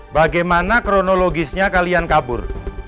bagaimana kronologisnya kalian kabur